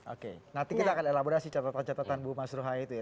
oke nanti kita akan elaborasi catatan catatan bu mas ruhai itu ya